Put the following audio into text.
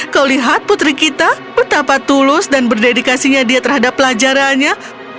kau lihat putri kita betapa tulus dan berdedikasinya dia terhadap pelajarannya